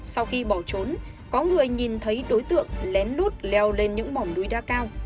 sau khi bỏ trốn có người nhìn thấy đối tượng lén lút leo lên những mỏng núi đa cao